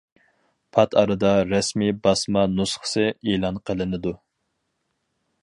پات ئارىدا رەسمىي باسما نۇسخىسى ئېلان قىلىنىدۇ.